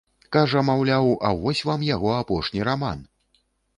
Кажа, маўляў, а вось вам яго апошні раман!